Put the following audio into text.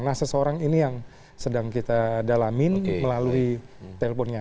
nah seseorang ini yang sedang kita dalamin melalui teleponnya